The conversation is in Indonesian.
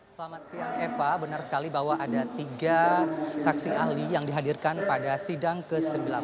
selamat siang eva benar sekali bahwa ada tiga saksi ahli yang dihadirkan pada sidang ke sembilan belas